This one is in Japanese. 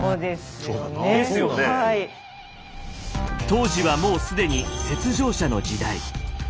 当時はもう既に雪上車の時代。